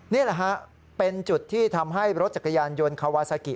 นี่แหละฮะเป็นจุดที่ทำให้รถจักรยานยนต์คาวาซากิ